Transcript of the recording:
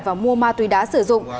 và mua ma túy đá sử dụng